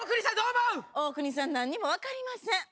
大国さん何にも分かりません。